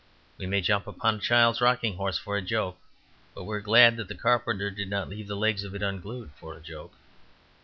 We may jump upon a child's rocking horse for a joke. But we are glad that the carpenter did not leave the legs of it unglued for a joke.